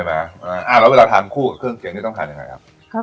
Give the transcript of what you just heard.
แล้วเวลาทานคู่กับเครื่องเคียงนี่ต้องทานยังไงครับ